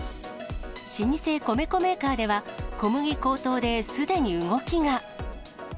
老舗、米粉メーカーでは、小麦高騰ですでに動きが。